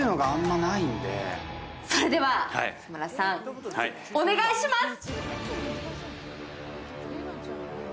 それでは磯村さん、お願いします！